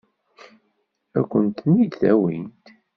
Ad kent-ten-id-awint?